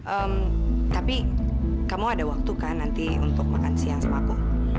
eh tapi kamu ada waktu kan nanti untuk makan siang sama aku